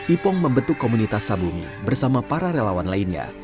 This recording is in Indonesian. ipong membentuk komunitas sabumi bersama para relawan lainnya